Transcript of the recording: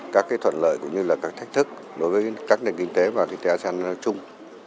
các thuận lợi cũng như là các thách thức đối với các nền kinh tế và kinh tế asean nói chung